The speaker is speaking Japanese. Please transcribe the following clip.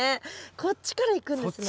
こっちからいくんですね。